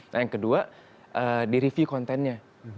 nah yang kedua di review kontennya